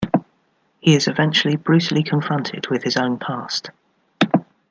He is eventually brutally confronted with his own past.